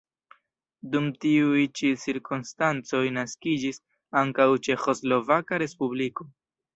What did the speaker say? Dum tiuj ĉi cirkonstancoj naskiĝis ankaŭ Ĉeĥoslovaka respubliko.